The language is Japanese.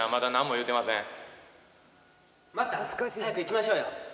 待った？早く行きましょうよ。